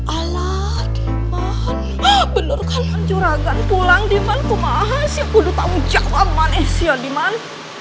alaikman bener kalian curagan pulang diman kumahasih kudu tahu jawa manesya diman